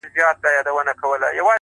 دغه دی ويې گوره دا لونگ ښه يمه;